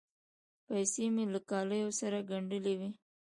پیسې مې له کالیو سره ګنډلې وې.